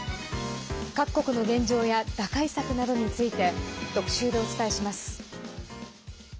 各国の現状や打開策などについて特集でお伝えします。